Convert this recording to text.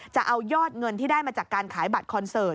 จะเอายอดเงินที่ได้มาจากการขายบัตรคอนเสิร์ต